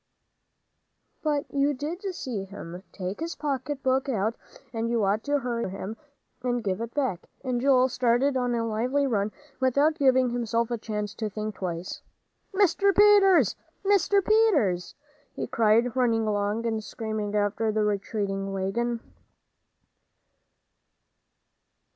"But you did see him take his pocket book out, and you ought to hurry after him and give it back," and Joel started on a lively run, without giving himself a chance to think twice. "Mr. Peters! Mr. Peters!" he cried, running along, and screaming after the retreating wagon.